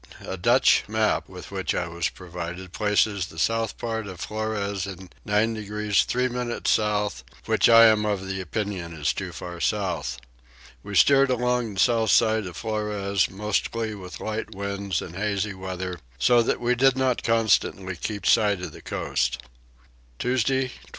A Dutch map with which I was provided places the south part of Flores in 9 degrees 3 minutes south which I am of opinion is too far south. We steered along the south side of Flores, mostly with light winds and hazy weather, so that we did not constantly keep sight of the coast. Tuesday 25.